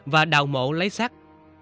và đào mộ lấy sát